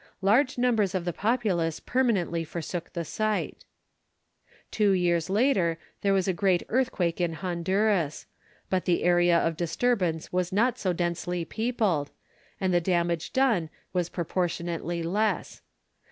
Large numbers of the populace permanently forsook the site. Two years later there was a great earthquake in Honduras; but the area of disturbance was not so densely peopled, and the damage done was proportionately less.